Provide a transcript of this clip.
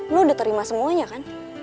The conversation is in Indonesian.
lu udah terima semuanya kan